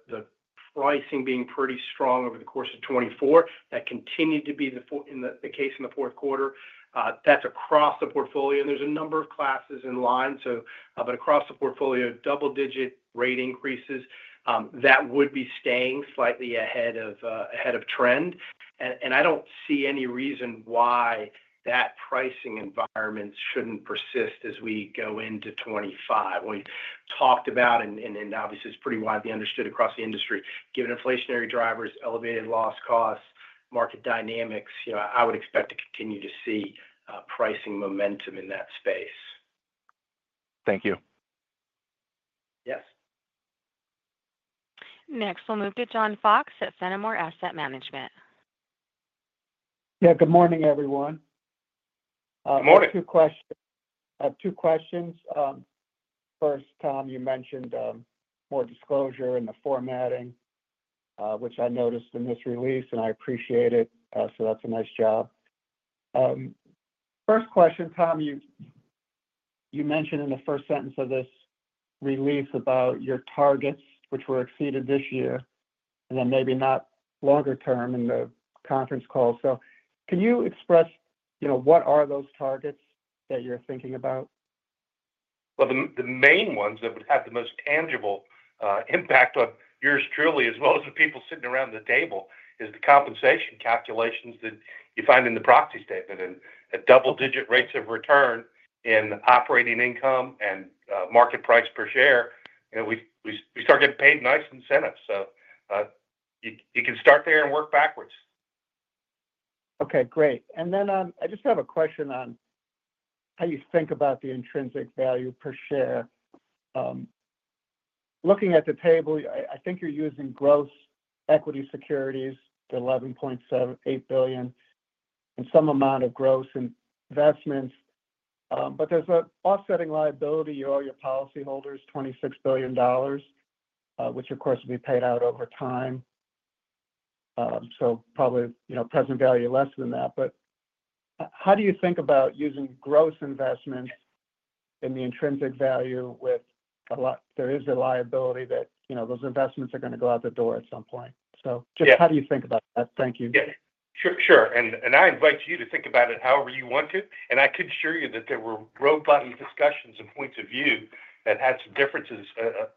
pricing being pretty strong over the course of 2024. That continued to be the case in the fourth quarter. That's across the portfolio, and there's a number of classes in line. Across the portfolio, double-digit rate increases. That would be staying slightly ahead of trend. I don't see any reason why that pricing environment shouldn't persist as we go into 2025. We talked about, and obviously, it's pretty widely understood across the industry. Given inflationary drivers, elevated loss costs, market dynamics, I would expect to continue to see pricing momentum in that space. Thank you. Yes. Next, we'll move to John Fox at Fenimore Asset Management. Yeah. Good morning, everyone. Good morning. I have two questions. First, Tom, you mentioned more disclosure in the formatting, which I noticed in this release, and I appreciate it. So that's a nice job. First question, Tom, you mentioned in the first sentence of this release about your targets, which were exceeded this year, and then maybe not longer term in the conference call. So can you express what are those targets that you're thinking about? Well, the main ones that would have the most tangible impact on yours truly, as well as the people sitting around the table, is the compensation calculations that you find in the proxy statement. And at double-digit rates of return in operating income and market price per share, we start getting paid nice incentives. So you can start there and work backwards. Okay. Great. And then I just have a question on how you think about the intrinsic value per share. Looking at the table, I think you're using gross equity securities, the $11.8 billion, and some amount of gross investments. But there's an offsetting liability to your policyholders, $26 billion, which, of course, will be paid out over time. So probably present value less than that. But how do you think about using gross investments in the intrinsic value with a lot? There is a liability that those investments are going to go out the door at some point. So just how do you think about that? Thank you. Yeah. Sure. And I invite you to think about it however you want to. And I can assure you that there were robust discussions and points of view that had some differences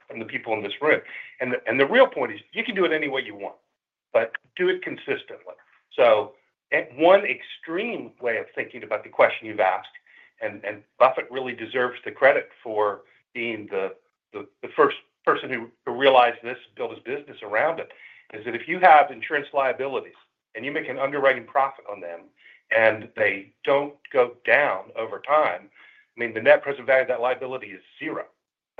from the people in this room. And the real point is you can do it any way you want, but do it consistently. So one extreme way of thinking about the question you've asked, and Buffett really deserves the credit for being the first person who realized this and built his business around it, is that if you have insurance liabilities and you make an underwriting profit on them and they don't go down over time, I mean, the net present value of that liability is zero.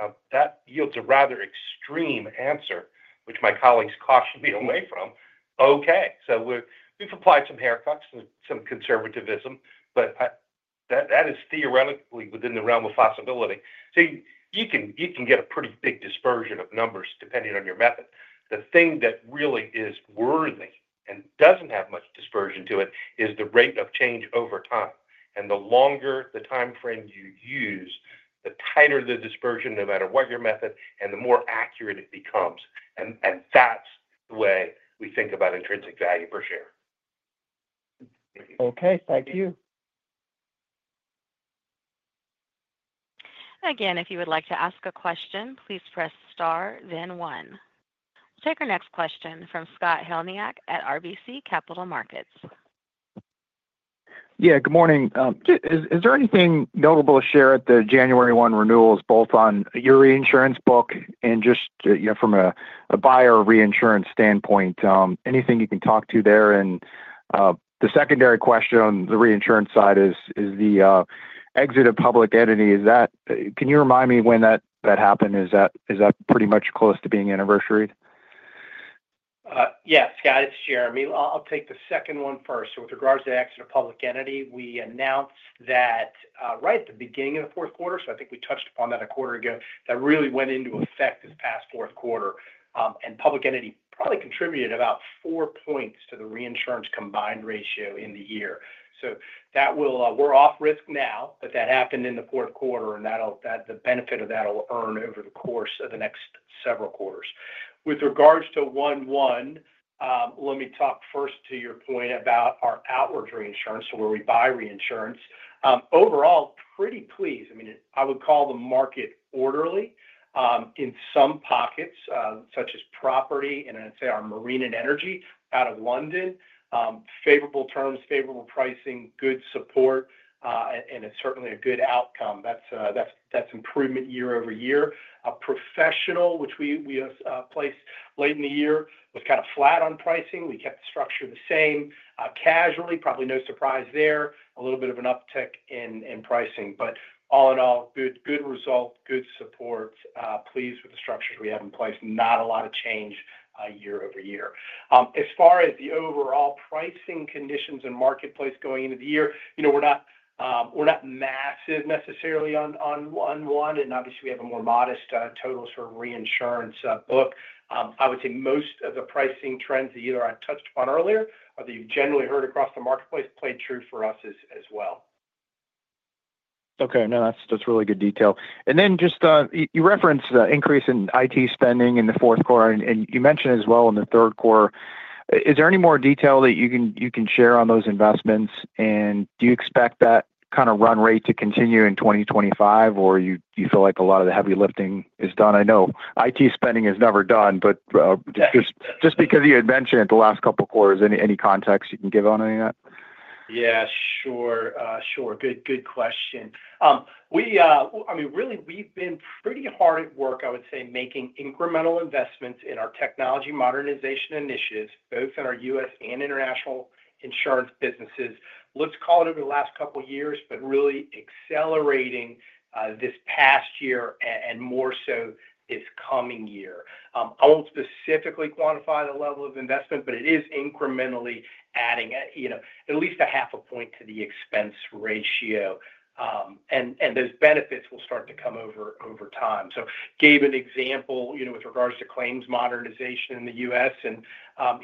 Now, that yields a rather extreme answer, which my colleagues cautioned me away from. Okay. So we've applied some haircuts and some conservatism, but that is theoretically within the realm of possibility. So you can get a pretty big dispersion of numbers depending on your method. The thing that really is worthy and doesn't have much dispersion to it is the rate of change over time. The longer the timeframe you use, the tighter the dispersion, no matter what your method, and the more accurate it becomes. That's the way we think about intrinsic value per share. Okay. Thank you. Again, if you would like to ask a question, please press star, then one. We'll take our next question from Scott Heleniak at RBC Capital Markets. Yeah. Good morning. Is there anything notable to share at the January 1 renewals, both on your reinsurance book and just from a buyer reinsurance standpoint? Anything you can talk to there? The secondary question on the reinsurance side is the exit of public D&O. Can you remind me when that happened? Is that pretty much close to being anniversary? Yeah. Scott, it's Jeremy. I'll take the second one first. With regards to the exit of Public D&O, we announced that right at the beginning of the fourth quarter. I think we touched upon that a quarter ago. That really went into effect this past fourth quarter. Public D&O probably contributed about four points to the reinsurance combined ratio in the year. We're off risk now, but that happened in the fourth quarter, and the benefit of that will earn over the course of the next several quarters. With regards to 1/1, let me talk first to your point about our outward reinsurance, so where we buy reinsurance. Overall, pretty pleased. I mean, I would call the market orderly in some pockets, such as property, and I'd say our marine and energy out of London. Favorable terms, favorable pricing, good support, and it's certainly a good outcome. That's improvement year over year. Professional, which we placed late in the year, was kind of flat on pricing. We kept the structure the same. Casualty, probably no surprise there. A little bit of an uptick in pricing. But all in all, good result, good support. Pleased with the structures we have in place. Not a lot of change year over year. As far as the overall pricing conditions and marketplace going into the year, we're not massive necessarily on 1/1. And obviously, we have a more modest total sort of reinsurance book. I would say most of the pricing trends that either I touched upon earlier or that you've generally heard across the marketplace played true for us as well. Okay. No, that's really good detail. And then just you referenced the increase in IT spending in the fourth quarter, and you mentioned as well in the third quarter. Is there any more detail that you can share on those investments? And do you expect that kind of run rate to continue in 2025, or do you feel like a lot of the heavy lifting is done? I know IT spending is never done, but just because you had mentioned it the last couple of quarters, any context you can give on any of that? Yeah. Sure. Sure. Good question. I mean, really, we've been pretty hard at work, I would say, making incremental investments in our technology modernization initiatives, both in our U.S. and international insurance businesses. Let's call it over the last couple of years, but really accelerating this past year and more so this coming year. I won't specifically quantify the level of investment, but it is incrementally adding at least 0.5 points to the expense ratio. And those benefits will start to come over time. So gave an example with regards to claims modernization in the U.S. And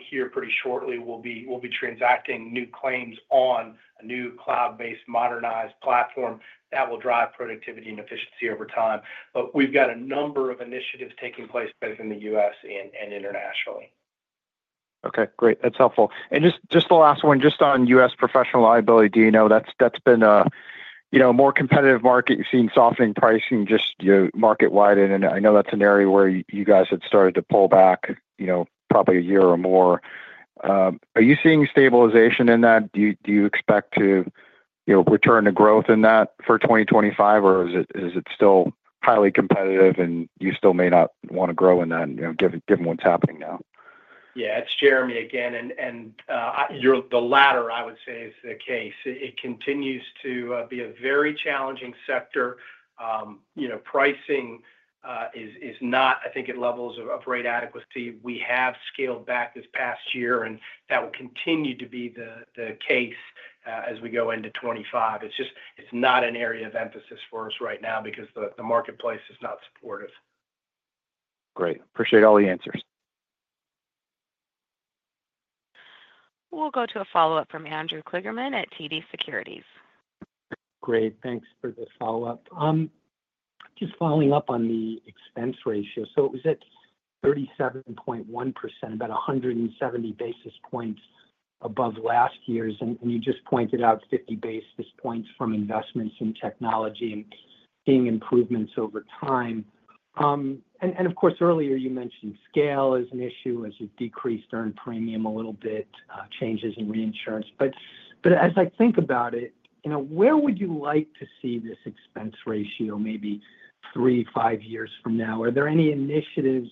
here, pretty shortly, we'll be transacting new claims on a new cloud-based modernized platform that will drive productivity and efficiency over time. But we've got a number of initiatives taking place both in the U.S. and internationally. Okay. Great. That's helpful. And just the last one, just on U.S. professional liability, do you know that's been a more competitive market? You've seen softening pricing just market-wide, and I know that's an area where you guys had started to pull back probably a year or more. Are you seeing stabilization in that? Do you expect to return to growth in that for 2025, or is it still highly competitive, and you still may not want to grow in that given what's happening now? Yeah. It's Jeremy again. The latter, I would say, is the case. It continues to be a very challenging sector. Pricing is not, I think, at levels of rate adequacy. We have scaled back this past year, and that will continue to be the case as we go into 2025. It's not an area of emphasis for us right now because the marketplace is not supportive. Great. Appreciate all the answers. We'll go to a follow-up from Andrew Kligerman at TD Securities. Great. Thanks for the follow-up. Just following up on the expense ratio. So it was at 37.1%, about 170 basis points above last year's. And you just pointed out 50 basis points from investments in technology and seeing improvements over time. And of course, earlier, you mentioned scale is an issue, as you've decreased earned premium a little bit, changes in reinsurance. But as I think about it, where would you like to see this expense ratio, maybe three, five years from now? Are there any initiatives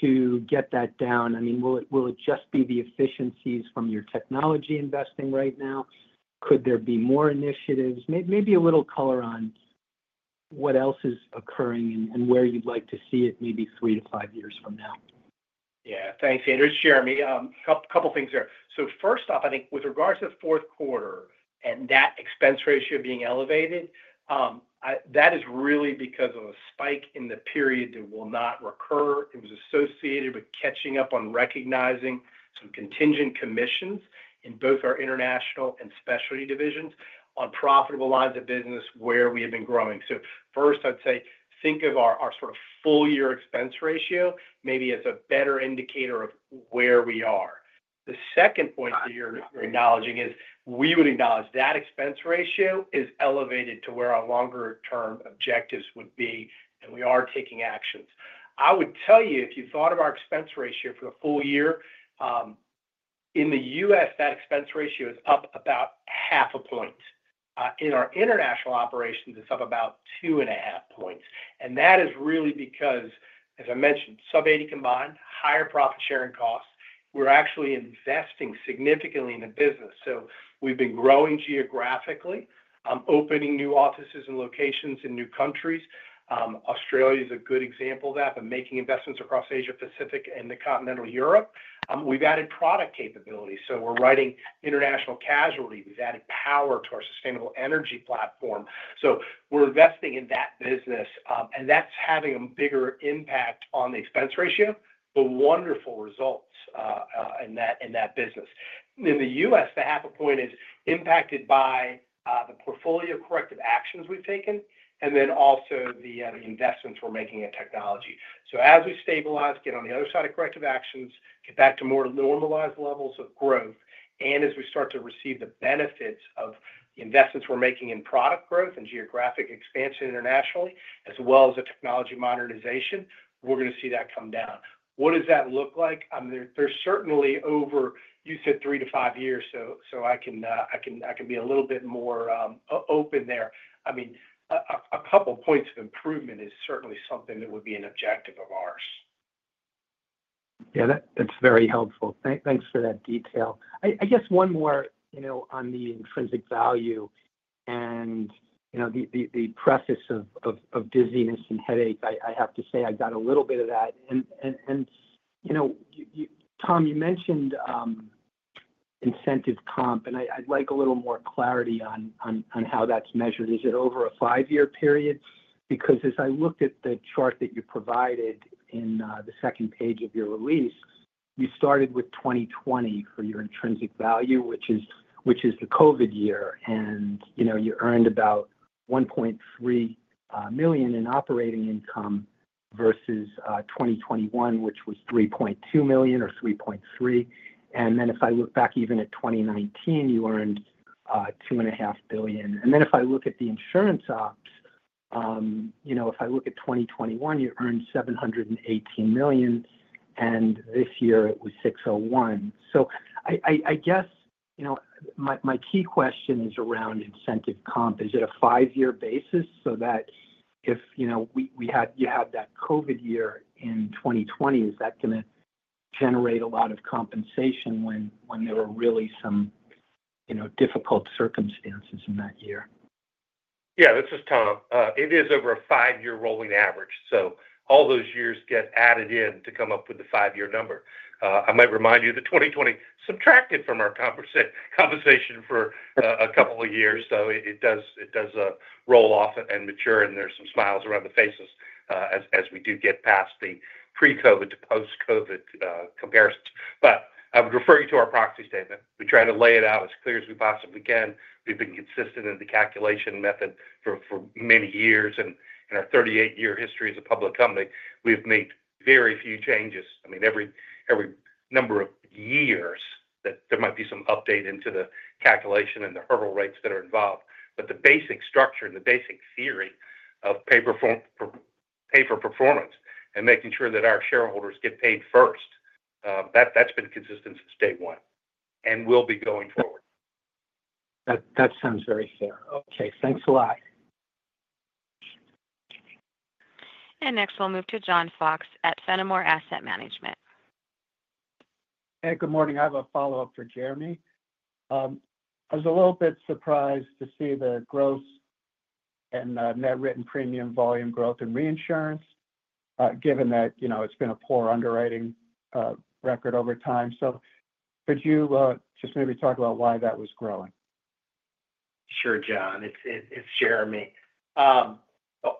to get that down? I mean, will it just be the efficiencies from your technology investing right now? Could there be more initiatives? Maybe a little color on what else is occurring and where you'd like to see it maybe three to five years from now? Yeah. Thanks, Andrew. It's Jeremy. A couple of things there. So first off, I think with regards to the fourth quarter and that expense ratio being elevated, that is really because of a spike in the period that will not recur. It was associated with catching up on recognizing some contingent commissions in both our international and specialty divisions on profitable lines of business where we have been growing. So first, I'd say think of our sort of full-year expense ratio maybe as a better indicator of where we are. The second point that you're acknowledging is we would acknowledge that expense ratio is elevated to where our longer-term objectives would be, and we are taking actions. I would tell you, if you thought of our expense ratio for the full year, in the U.S., that expense ratio is up about half a point. In our international operations, it's up about two and a half points. And that is really because, as I mentioned, sub-80 combined, higher profit-sharing costs. We're actually investing significantly in the business. So we've been growing geographically, opening new offices and locations in new countries. Australia is a good example of that, but making investments across Asia-Pacific and continental Europe. We've added product capability. So we're writing international casualty. We've added power to our sustainable energy platform. So we're investing in that business, and that's having a bigger impact on the expense ratio, but wonderful results in that business. In the U.S., the half a point is impacted by the portfolio corrective actions we've taken, and then also the investments we're making in technology. So as we stabilize, get on the other side of corrective actions, get back to more normalized levels of growth. And as we start to receive the benefits of the investments we're making in product growth and geographic expansion internationally, as well as the technology modernization, we're going to see that come down. What does that look like? There's certainly over, you said, three to five years, so I can be a little bit more open there. I mean, a couple of points of improvement is certainly something that would be an objective of ours. Yeah. That's very helpful. Thanks for that detail. I guess one more on the intrinsic value and the preface of dizziness and headache. I have to say I got a little bit of that. And Tom, you mentioned incentive comp, and I'd like a little more clarity on how that's measured. Is it over a five-year period? Because as I looked at the chart that you provided in the second page of your release, you started with 2020 for your intrinsic value, which is the COVID year. And you earned about $1.3 million in operating income versus 2021, which was $3.2 million or $3.3 million. And then if I look back even at 2019, you earned $2.5 billion. And then if I look at the insurance ops, if I look at 2021, you earned $718 million, and this year it was $601 million. I guess my key question is around incentive comp. Is it a five-year basis so that if you had that COVID year in 2020, is that going to generate a lot of compensation when there were really some difficult circumstances in that year? Yeah. This is Tom. It is over a five-year rolling average. All those years get added in to come up with the five-year number. I might remind you that 2020 subtracted from our compensation for a couple of years. It does roll off and mature, and there's some smiles around the faces as we do get past the pre-COVID to post-COVID comparisons. But I would refer you to our proxy statement. We try to lay it out as clear as we possibly can. We've been consistent in the calculation method for many years. In our 38-year history as a public company, we've made very few changes. I mean, every number of years, there might be some update into the calculation and the hurdle rates that are involved. But the basic structure and the basic theory of pay for performance and making sure that our shareholders get paid first, that's been consistent since day one. And we'll be going forward. That sounds very fair. Okay. Thanks a lot. And next, we'll move to John Fox at Fenimore Asset Management. Hey, good morning. I have a follow-up for Jeremy. I was a little bit surprised to see the gross and net written premium volume growth in reinsurance, given that it's been a poor underwriting record over time. So could you just maybe talk about why that was growing? Sure, John. It's Jeremy.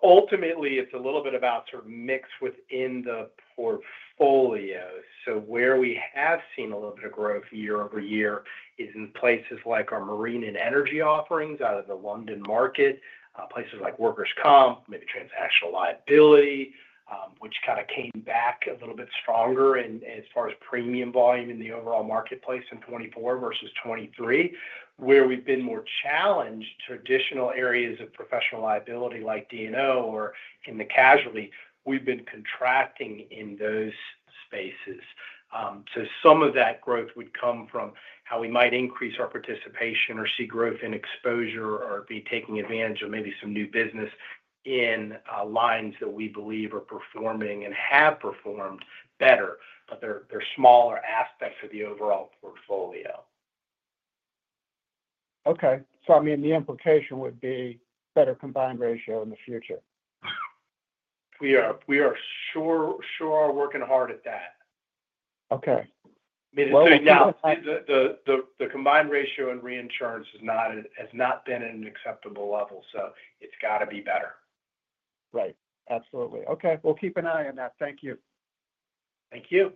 Ultimately, it's a little bit about sort of mix within the portfolio. So where we have seen a little bit of growth year over year is in places like our marine and energy offerings out of the London market, places like Workers' Comp, maybe transactional liability, which kind of came back a little bit stronger as far as premium volume in the overall marketplace in 2024 versus 2023. Where we've been more challenged, traditional areas of professional liability like D&O or in the casualty, we've been contracting in those spaces. So some of that growth would come from how we might increase our participation or see growth in exposure or be taking advantage of maybe some new business in lines that we believe are performing and have performed better, but they're smaller aspects of the overall portfolio. Okay. So I mean, the implication would be better combined ratio in the future. We are sure working hard at that. Okay. The combined ratio in reinsurance has not been at an acceptable level, so it's got to be better. Right. Absolutely. Okay. We'll keep an eye on that. Thank you. Thank you.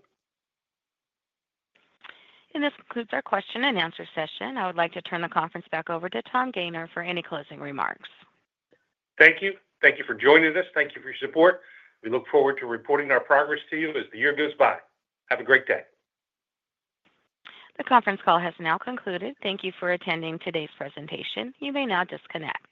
This concludes our question and answer session. I would like to turn the conference back over to Tom Gayner for any closing remarks. Thank you. Thank you for joining us. Thank you for your support. We look forward to reporting our progress to you as the year goes by. Have a great day. The conference call has now concluded. Thank you for attending today's presentation. You may now disconnect.